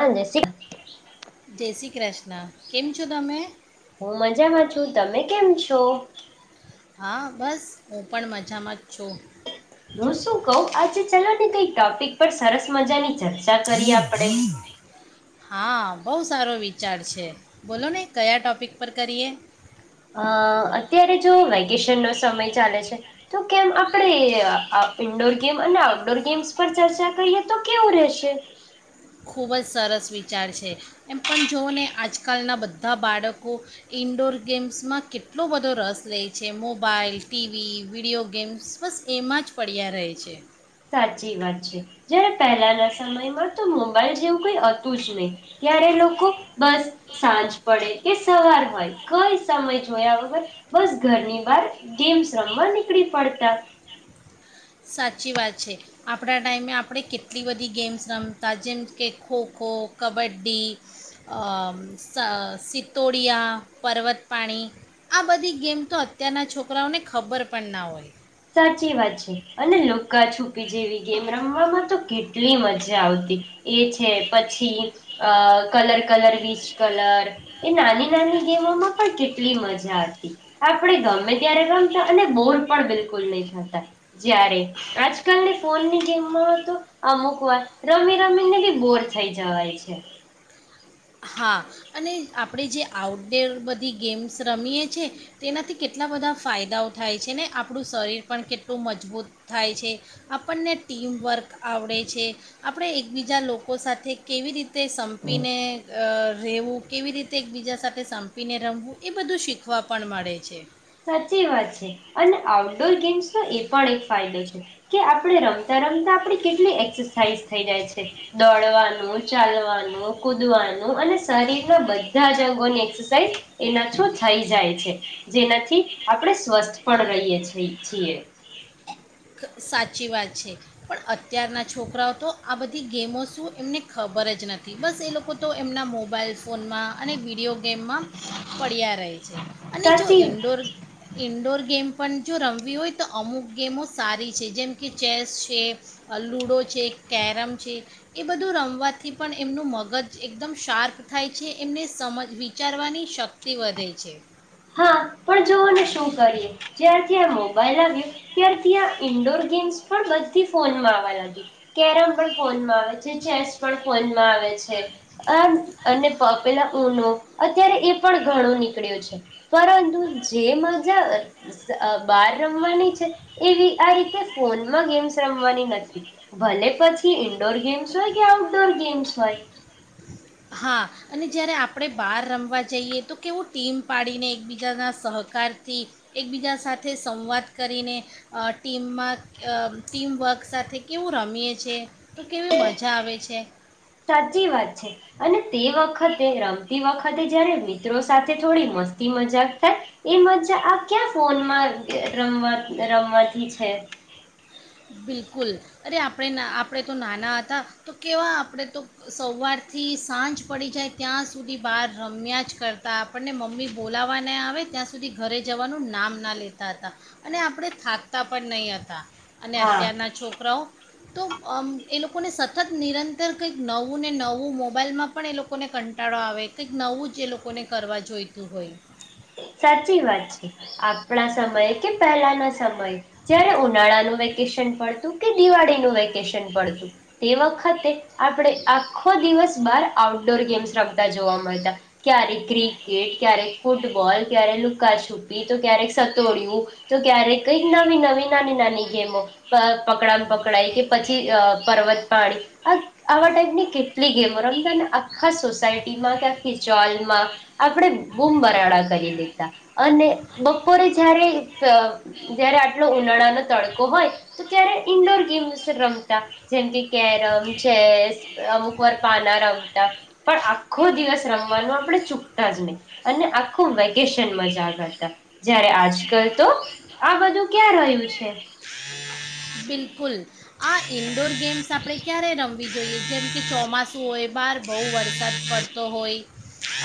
હા જય શ્રી જય શ્રી ક્ર્ષ્ણ. ના કેમ છો તમે. હું મજામાં છું તમે કેમ છો? હા બસ હું પણ મજામાં જ છું. હું શું કવ આજે ચલોને કઈ ટોપિક પર સરસ મજાની ચર્ચા કરીએ આપણે હા. બહુ સારો વિચાર છે બોલો ને કયા ટોપિક પર કરીએ. અ અત્યારે જો વેકેશનનો સમય ચાલે છે તો કેમ આપણે અ ઇન્ડોર ગેમ અને આઉટડોર ગેમ્સ પર ચર્ચા કરીએ તો કેવું રહેશે. ખૂબ જ સરસ વિચાર છે એમ પણ જોઓ ને આજકાલના બધા બાળકો ઇન્ડોર ગેમ્સમાં કેટલો બધો રસ લે છે મોબાઈલ, ટીવી, વિડીયો ગેમ્સ બસ એમાં જ પડ્યા રહે છે. સાચી વાત છે. જયારે પહેલાના સમયમાં તો મોબાઈલ જેવું કઈ હતું જ નહી ત્યારે લોકો બસ સાંજ પડે કે સવાર હોય કઈ સમય જોયા વગર બસ ઘરની બહાર ગેમ્સ રમવા નીકળી પડતા. સાચી વાત છે. આપણા ટાઈમે આપણે કેટલી બધી ગેમ્સ રમતા જેમ કે ખોખો, કબડ્ડી, અ સ સતોડિયા પર્વતપાણી આ બધી ગેમ તો અત્યારના છોકરાઓને ખબર પણ ના હોય. સાચી વાત છે. અને લુકા છુપી જેવી ગેમ રમવામાં તો કેટલી મજા આવતી એ છે પછીઅ કલર-કલર વીચ કલર એ નાની-નાની ગેમોમાં પણ કેટલી મજા હતી. આપડે ગમે ત્યારે રમતા અને બોર પણ બિલકુલ લઈ જતા જ્યારે આજકાલ ફોનની ગેમમાં હતો અમુક વાર રમી રમીને બી બોર થઈ જવાય છે. હા અને આપણે જે આઉટડોર બધી ગેમ્સ રમીએ છીએ. તેનાથી કેટલા બધા ફાયદાઓ થાય છે ને આપણું શરીર પણ કેટલું મજબૂત થાય છે, આપણને ટીમવર્ક આવડે છે, આપણે એકબીજા લોકો સાથે કેવી રીતે તે સંપીને રહેવું, કેવી રીતે એકબીજા સાથે સંપીને રમવું એ બધું શીખવા પણ મળે છે. સાચી વાત છે અને આઉટડોર ગેમ્સનો એ પણ એક ફાયદો છે કે આપણે રમતા રમતા આપડી કેટલી એક્સરસાઇઝ થઈ જાય છે. દોડવાનું, ચાલવાનું, કૂદવાનું અને શરીરના બધા જ રંગોની એક્સરસાઇઝ એના થ્રુ થઈ જાય છે. જેના આપણે સ્વસ્થ પણ રહીએ છ છીએ. સાચી વાત છે. પણ અત્યારના છોકરાઓ તો આ બધી ગેમો શું એમને ખબર જ નથી. બસ એ લોકો તો એમના મોબાઈલ ફોનમાં અને વિડીયો ગેમમાં પડ્યા રહે છે. અને જો સાચી ઇન્ડોર ઇન્ ડોર ગેમ પણ જો રમવી હોય તો અમુક ગેમો સારી છે. જેમ કે ચેસ છે, લુડો છે, કેરમ છે એ બધું રમવાથી પણ એમનું મગજ એકદમ શાર્પ થાય છે એમને સમજ વિચારવાની શક્તિ વધે છે. હા પણ જોઓને શું કરીએ જ્યારથી આ મોબાઈલ આવ્યો ત્યારથી આ ઇન્ડોર ગેમ્સ પણ બધી ફોનમાં આવવા લાગી. કેરમ પણ ફોનમાં આવે છે, ચેસ પણ ફોનમાં આવે છે આ અને પે પેલા ઉનો અત્યારે એ પણ ઘણો નીકળ્યો છે. પરંતુ જે મજા અ બાર રમવાની છે એવી આ રીતે ફોનમાં ગેમ્સ રમવાની નથી. ભલે પછી ઈન્ડોર ગેમ્સ હોય કે આઉટડોર ગેમ્સ હોય. હા અને જ્યારે આપણે બહાર રમવા જઈએ તો કેવું ટીમ પાડીને એકબીજાના સહકારથી એકબીજા સાથે સંવાદ કરીને અ ટીમમાં અ ટીમવર્ક સાથે કેવું રમીએ છે. તો કેવી મજા આવે સાચી વાત છે અને તે વખતે રમતી વખતે જયારે મિત્રો સાથે થોડી મસ્તી મજાક થાય એ મજા આ ક્યાં ફોનમાં રમવા રમવાથી છે. બિલકુલ અરે આપણે આપણે તો નાના હતા તો કેવા આપણે તો સવારથી સાંજ પડી જાય ત્યાં સુધી બહાર રમ્યા જ કરતા આપણને મમ્મી બોલાવવા નહીં આવે ત્યાં સુધી ઘરે જવાનું નામ ના લેતા હતા અને આપણે થાકતા પણ નહીં હતા. અને હા અત્યારના છોકરાઓ તો અમ એ લોકોને સતત નિરંતર કંઈક નવું ને નવું મોબાઈલમાં પણ એ લોકોને કંટાળો આવે કંઈક નવું જ એ લોકોને કરવા જોઈતું હોય. સાચી વાત છે. આપણા સમયે કે પહેલાના સમય જયારે ઉનાળાનું વે વેકેશન પડતું કે દિવાળી નું વે કેશન પડતું. તે વખત તે આપણે આખો દિવસ બાર આઉટડોર ગેમ્સ રમતા જોવા મલતા. ક્યારેક ક્રિકેટ, ક્યારેક ફૂટબોલ, ક્યારે લુકા છૂપી, તો ક્યારેક સતોડયું, તો ક્યારેક કઈક નવી-નવી, નાની-નાની ગેમો, પ પકડામ પકડાય, કે પછી અહ પર્વત પાણી, આ આવા ટાઈપની કેટલી ગેમો રમતા, ને આખા સોસાયટીમાં કે આખી ચોલમાં આપણે ગુમ બરાડા કરી દેતા, અને બપોરે જયારે સ જયારે આટલો ઉનાળાનો તડકો હોય તો ત્યારે ઈન્ડોર ગેમ્સ રમતા, જેમ કે કેરમ, ચેસ અમુક વાર પાના રમતા, પણ આખો દિવસ રમવાનું આપણે ચૂકતા જ નહી. અને આખું વેકેશન મજા કરતા. જયારે આજ કલ તો આ બધું ક્યાં રહ્યું છે. બિલકુલ. આ ઇન્ડોર ગેમ્સ આપણે ક્યારે ર મવી જોઈએ જેમ કે ચોમાસું હોય બહાર બહુ વરસાદ પડતો હોય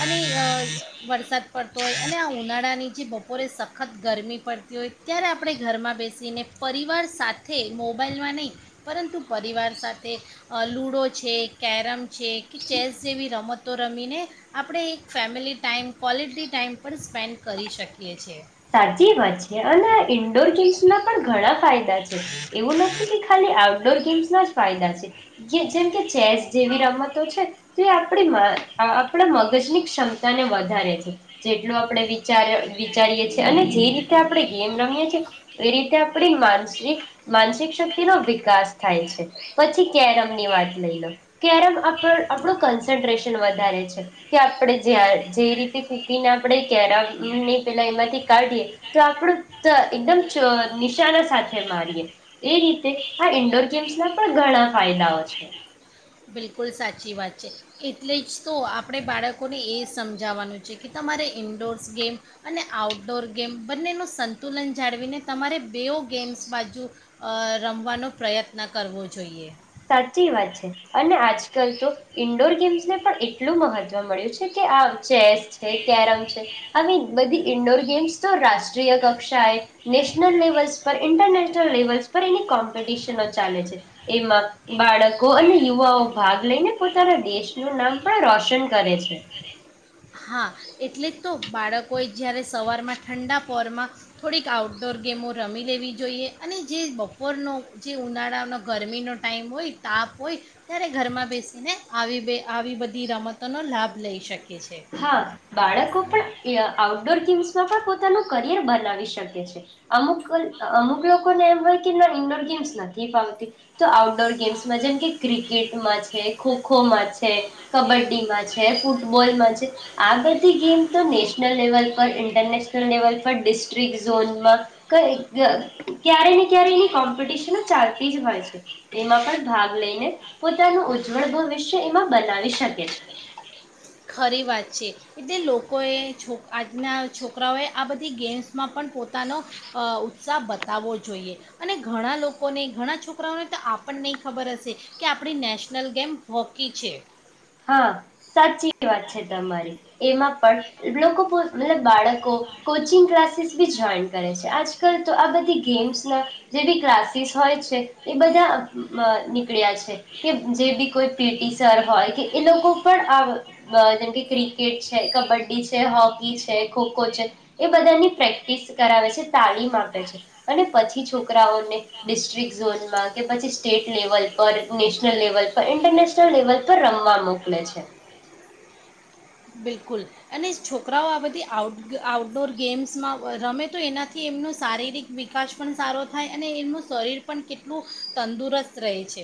અને અહ વરસાદ પડતો હોય અને આ ઉનાળાની જે બપોરે સખત ગરમી પડતી હોય, ત્યારે આપણે ઘરમાં બેસીને પરિવાર સાથ થે મોબાઈલમાં નહીં, પરંતુ પરિવાર સાથે અહ લૂડો છે, કેરમ છે, કે ચેસ જેવી રમતો રમીને આપણે એક ફેમિલી ટાઈમ, ક્વૉલિટી ટાઈમ પણ સ્પેન્ડ કરી શકીએ છે. સાચી વાત છે, અને આ ઇન્ડોર ગેમ્સ ના પણ ઘણા ફાયદા છે. એવું નથી કે ખાલી આઉટડોર ગેમ્સ ના જ ફાયદા છે, ગે જેમ કે ચેસ જેવી રમતો છે જે આ પણી મ અહ આપણા મગજની ક્ષમતા ને વધારે છે. જેટલું આપડે વિચાર વિ ચારીએ અને જે રીતે આપડે ગેમ રમીએ છીએ એ રીતે આપણી માનસિક માનસિક શક્તિ નો વિકાસ થાય છે. પછી કેરમની વાત લઈ લો, કેરમ આપ આપણું કન્સન્ટ્રેશન વધારે છે કે આપણે જે રીતે કુકંગ આપણે કેરમ ની પેલા એમાંથી કાઢીએ તો આપ એકદમ નિશાના સાથે મારીએ એ રીતે આ ઇન્ડોર ગેમ્સ ના પણ ઘણા ફાયદાઓ છે. બિલકુલ સાચી વાત છે. એટલે જ તો આપણે બાળકોને એ સમજાવવાનું છે કે તમારે ઇન્ડોર્સ ગેમ અને આઉટડોર ગેમ બંનેનું સંતુલન જાળવીને તમારે બેઓ ગેમ્સ બાજુ રમવાનો પ્રયત્ન કરવો જોઈએ. સાચી વાત છે અને આજકાલ તો ઈન્ડોર ગેમ્સને પણ એટલું મહત્વ મળ્યું છે કે આ ચેસ છે, કેરમ છે આવી બધી ઈન્ડોર ગેમ્સ તો રાષ્ટ્રીય કક્ષાએ નેશનલ લેવલ્સ પર ઇન્ટરને નલ લેવલસ પર એની કોમ્પિટિશનો ચાલે છે એમાં બાળકો અને યુવાઓ ભાગ લઈને પોતાના દેશનું નામ પણ રોશન કરે છે. હા એટલે તો બાળકોએ જ્યારે સવારમાં ઠંડા પોરમાં થોડીક આઉટડોર ગેમો રમી લેવી જોઈએ અને જે બપોરનો જે ઉનાળાનો ગરમીનો ટાઈમ હોય તાપ હોય ત્યારે ઘરમાં બેસીને આવી બે આવી બધી રમતોનો લાભ લઈ શકે છે. હા બાળકો પણ આઉટડોર ગેમ્સમાં પણ પોતાનું કરિયર બનાવી શકે છે. અમુક અમુક લોકોને એમ હોય કે ના ઇન્ડોર ગેમ્સ નથી ફાવતી તો આઉટડોર ગેમ્સમાં જેમ કે ક્રિકેટમાં છે, ખોખોમાં છે, કબડ્ડી માં છે, ફૂટબોલમાં છ આ બધી ગેમ તો નેશનલ લેવલ પર ઇન્ટરનેશનલ લેવલ પર ડિસ્ટ્રિક્ટ ઝોનમાં ક ક્યારે ને ક્યારે એની કોમ્પિટિશનો ચાલતી જ હોય છે. એમાં પણ ભાગ લઈને પોતાનું ઉજ્જવળ ભવિષ્ય એમાં બનાવી શકે છે. ખરી વાત છે. એટલે લોકોએ આજના છોકરાઓએ આ બધી ગેમ્સમાં પણ પોતાનો અ ઉત્સાહ બતાવવો જોઈએ અને ઘણા લોકોને ઘણા છોકરાઓને તો આપણને ખબર હશે કે આપણી નેશનલ ગેમ હોકી છે. હા સાચી વાત છે તમારી. એમાં પણ લોકો મતલબ બાળકો કોચિંગ ક્લાસીસ બી જોઈન કરે છે. આજકાલ તો આ બધી ગેમ્સ ના જે બી ક્લાસીસ હોય છે એ બધા નીકળ્યા છ છે કે જે બી કોઈ પી ટી સર હોય કે એ લોકો પણ આ જેમ કે ક્રિકેટ છે, કબડ્ડી છે, હોકી છે, ખોખો છે એ બધાની પ્રેક્ટિસ કરાવે છે, તાલીમ આપે છે અને પછી છોકરાઓને ડિસ્ટ્રિક ઝોનમાં કે પછી સ્ટેટ લેવલ પર, નેશનલ લેવલ પર, ઇન્ટરનેશનલ લેવલ પર રમવા મોકલે છે. બિલકુલ અને છોકરાઓ આ બધી આઉટ આઉટડોર ગેમ્સમાં રમે તો એનાથી એમનો શારીરિક વિકાસ પણ સારો થાય અને એમનું શરીર પણ કેટલું તંદુરસ્ત રહે છે.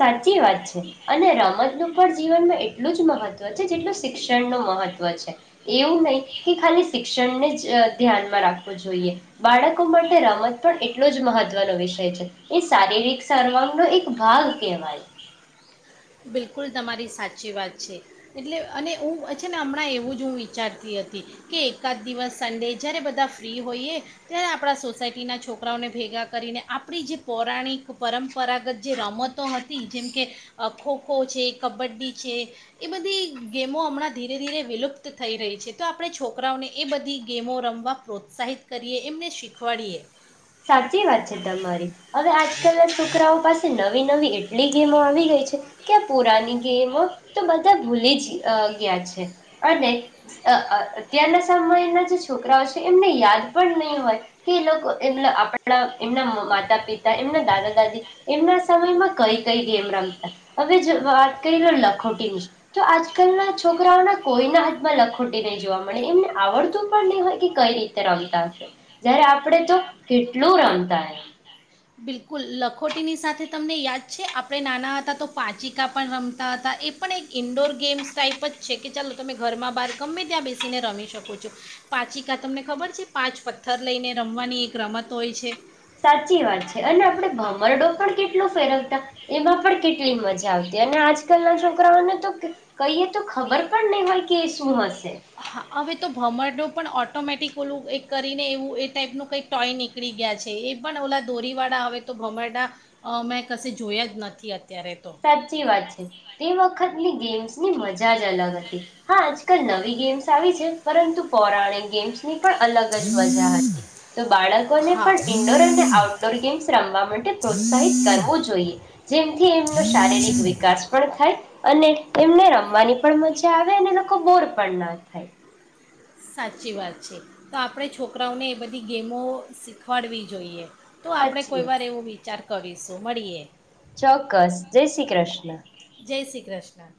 સાચી વાત છે અને રમતનું પણ જીવનમાં એટલું જ મહત્વ છે જેટલું શિક્ષણનુ મહત્વ છે. એવું નહી કે ખાલી શિક્ષણને જ ધ્યાનમાં રાખવું જોઈએ બાળકો માટે રમત પણ એટલો જ મહત્વનો વિષય છે એ શારીરિક સર્વાંગનો એક ભાગ કહેવાય. બિલકુલ તમારી સાચી વાત છે એટલે અને હું છે ને હમણાં એવું જ હું વિચારતી હતી કે એકાદ દિવસ સન્ડે જ્યારે બધા ફ્રી હોઈએ ત્યારે આપણા સોસાયટીના છોકરાઓને ભેગા કરીને આપણી જે પૌરાણિક પરંપરાગત જે રમતો હતી જેમકે અ ખોખો છે, કબડ્ડી છે એ બધી ગેમો હમણાં ધીરે-ધીરે વિલુપ્ત થઈ રહી છે તો આપણે છોકરાઓને એ બધી ગેમો રમવા પ્રોત્સાહિત કરીએ એમને શીખવાડીએ. સાચી વાત છે તમારી હવે આજકાલના છોકરાઓ પાસે નવી-નવી એટ એટલી ગેમો આવી ગઈ છે. ક્યાક પુરાની ગેમો તો બધા ભૂલી જ અ ગયા છે અને અત્યારના સમયના જે છોકરાઓ છે એમને યાદ પણ નહી હોય કે એ લોકો આપણા એમના માતા પિતા એમના દાદા દાદી એમના સમયમાં કઈ કઈ ગેમ રમતા હવે વાત કરી લો લખોટી ની જ તો આજકાલના છોકરાઓના કોઈના હાથમાં લખોટી નહી જોવા મળે એમને આવડતું પણ નહી હોય કે કઈ રીતે રમતા હશે જય્યારે આપણે તો કેટલું રામતા એ. બિલકુલ લખોટીની સાથે તમને યાદ છે આપણે નાના હતા તો પાચિકા પણ રમતા હતા એ પણ એક ઇન્ડોર ગેમ્સ ટાઈપ જ છે કે ચાલો તમે ઘરમાં બહાર ગમે ત્યાં બેસીને રમી શકો છો પાચિકા તમને ખબર છે પાંચ પથ્થર લઈને રમવાની એક રમત હોય છે. સાચ સાચી વાત છે અને આપણે હા ભમરડો પણ કેટલો ફેરવતા. એમાં પણ કેટલી મજા આવતી અને આજકાલના છોકરાઓને તો કહીએ તો ખબર પણ નહી હોય કે એ શું હશે. હા હવે તો ભમરડો પણ ઓટોમેટિક ઓલું એક કરીને એવું એ ટાઈપનું કંઈક ટોય નીકળી ગયા છે એ પણ ઓલા દોરીવાળા હવે તો ભમરડા અ મેં કશે જોયા જ નથી અત્યા સાચી વાત છે તે વખતની ગેમ્સ ની મજા અલગ હતી હા આજકાલ નવી ગેમ્સ આવી છે પરંતુ પૌરાણિક ગેમ્સની અલગ જ મા હતી તો બાળકોને હા પણ ઇન્ડોર અને આઉટડોર ગેમ્સ રમવા માટે પ્રોત્સાહિત કરવું જોઈએ જેમથી એમ શારીરિક વિકાસ પણ થાય અને એમને રમવાની પણ મજા આવે અને લોકો બોર પણ ના થાય સાચી વાત છે તો આપણે છોકરાઓને એ બધી ગેમો શીખવાડવી જોઈએ તો આપડણે સાચી કોઈ વાત વાર એવો વિચાર કવિશો મળીએ ચોક્કસ જય શ્રી કૃષ્ણ જય શ્રી કૃષ્ણ